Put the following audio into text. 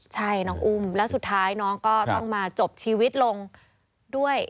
ใช่น้องอุ้มแล้วสุดท้ายน้องก็ต้องมาจบชีวิตลงด้วย